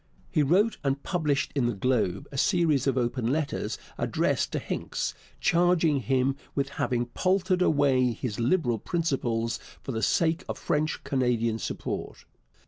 He wrote and published in the Globe a series of open letters addressed to Hincks, charging him with having paltered away his Liberal principles for the sake of French Canadian support.